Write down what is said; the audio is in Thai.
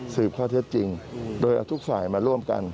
สืบข้อเท็จจริงด้วยทุกส่วนมาร่วมกัน